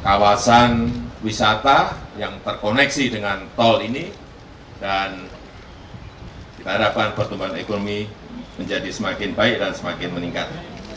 kawasan wisata yang terkoneksi dengan tol ini dan kita harapkan pertumbuhan ekonomi menjadi semakin baik dan semakin meningkat